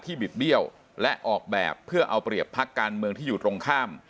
บิดเบี้ยวและออกแบบเพื่อเอาเปรียบพักการเมืองที่อยู่ตรงข้าม